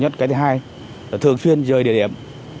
thứ hai là thường xuyên rời địa điểm